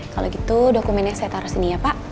kalau gitu dokumennya saya taruh sini ya pak